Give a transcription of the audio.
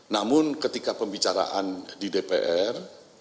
namun ketika pembicaraan di dpr